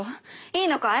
いいのかい？